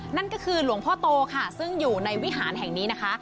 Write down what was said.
นั่นก็คือหลวงพ่อโตค่ะซึ่งอยู่ในวิหารแห่งนี้นะคะ